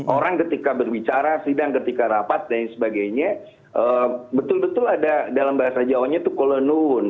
orang ketika berbicara sidang ketika rapat dan sebagainya betul betul ada dalam bahasa jawanya itu kolenuun